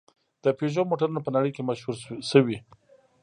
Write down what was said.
د پيژو موټرونه په نړۍ کې مشهور شوي.